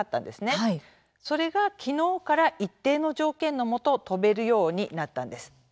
それが昨日から一定の条件のもと飛べるようになったんです。